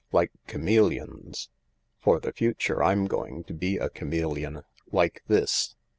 Like chameleons. For the future I'm going to be a chameleon. Like this."